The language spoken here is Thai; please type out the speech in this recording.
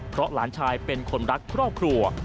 เพราะหลานชายเป็นคนรักครอบครัว